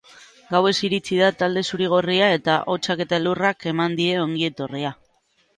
Gauez iritsi da talde zuri-gorria eta hotzak eta elurrak eman die ongi etorria.